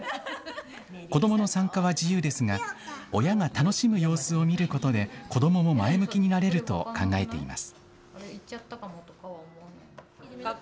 子どもの参加は自由ですが、親が楽しむ様子を見ることで、子どもも前向きになれると考えています。